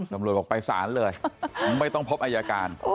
จำรวจบอกไปสารเลยไม่ต้องพบไอยาการ